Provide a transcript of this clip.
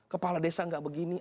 kepala desa nggak begini